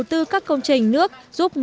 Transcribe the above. thì cái kéo của bạn này phải không